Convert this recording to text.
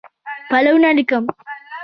پلونه لیکم